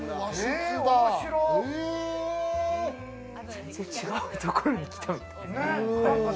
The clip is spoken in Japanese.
全然違うところに来たみたい。